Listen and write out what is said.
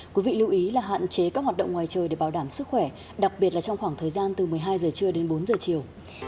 quý vị lưu ý là hạn chế các hoạt động ngoài trời để bảo đảm sức khỏe đặc biệt là trong khoảng thời gian từ một mươi hai giờ trưa đến bốn giờ chiều